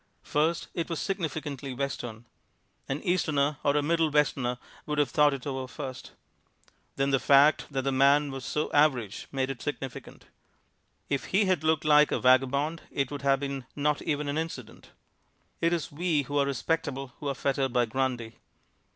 First, it was significantly Western. An Easterner or a Middle Westerner would have thought it over first. Then the fact that the man was so average made it significant. If he had looked like a vagabond it would have been not even an incident. It is we who are respectable who are fettered by Grundy.